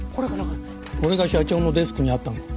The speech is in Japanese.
これが社長のデスクにあったのか？